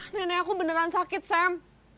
nenek aku beneran sakit sam